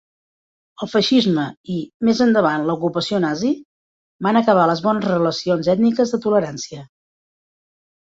El feixisme i, més endavant la ocupació nazi, van acabar les bones relacions ètniques de tolerància.